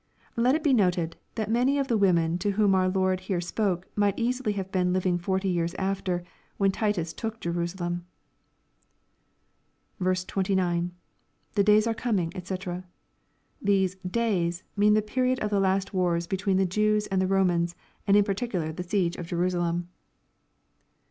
] Let it be noted, that many of tlie women to whom our Lord here spoke, might easily have been hving forty years atter, when Titus took Jerusalem. 29. — [The days are coming, (&c.] These '* days" mean the period of the last wars between the Jews and tlie IXomans, and in particular the siege of Jerusalem.